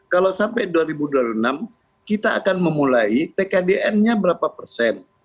kalau sampai dua ribu dua puluh enam kita akan memulai tkdn nya berapa persen